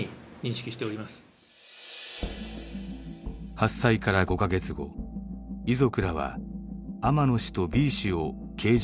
発災から５カ月後遺族らは天野氏とＢ氏を刑事告訴しました。